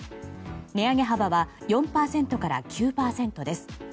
値上げ幅は４％から９％です。